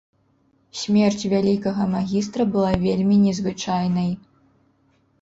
Смерць вялікага магістра была вельмі незвычайнай.